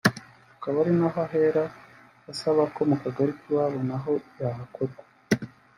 Akaba ariho ahera asaba ko mu kagari k’iwabo naho yahakorwa